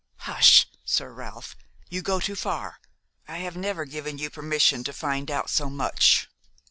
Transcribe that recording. "Hush, Sir Ralph, you go too far. I have never given you permission to find out so much."